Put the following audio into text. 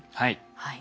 はい。